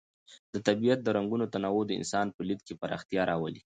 د طبیعت د رنګونو تنوع د انسان په لید کې پراختیا راولي.